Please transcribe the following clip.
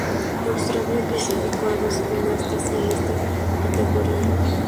Australia clasificó a dos gimnastas en esta categoría.